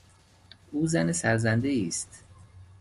او زن سرزندهای است.